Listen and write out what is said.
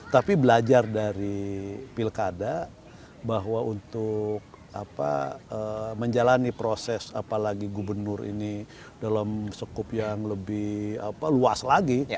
tapi belajar dari pilkada bahwa untuk menjalani proses apalagi gubernur ini dalam sekup yang lebih luas lagi